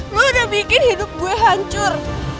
lo udah bikin hidup gue hancur